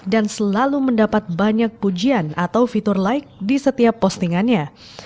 dan selalu mendapat banyak pujian atau fitur like di setiap postingannya